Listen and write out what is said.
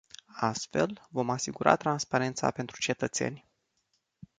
Astfel, vom asigura transparența pentru cetățeni.